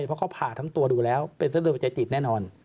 เพราะเขาผ่าทั้งตัวดูแล้วเป็นเส้นเลือดหัวใจติดแน่นอน